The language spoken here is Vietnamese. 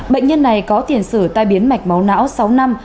bệnh nhân này có tiền sử tai biến mạch máu não sáu năm